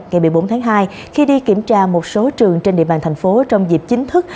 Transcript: ngày một mươi bốn tháng hai khi đi kiểm tra một số trường trên địa bàn thành phố trong dịp chính thức